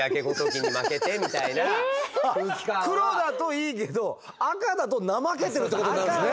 黒だといいけど赤だと怠けてるってことになるんですね。